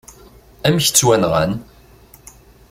Amek ttwanɣan?